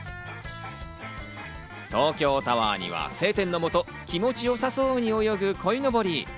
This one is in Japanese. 東京タワーには晴天の下、気持ち良さそうに泳ぐこいのぼり。